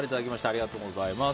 ありがとうございます。